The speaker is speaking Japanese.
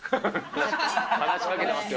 話しかけてますよ。